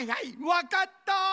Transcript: わかった！